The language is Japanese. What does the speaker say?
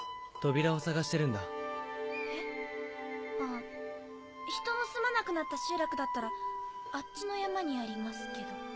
あ人の住まなくなった集落だったらあっちの山にありますけど。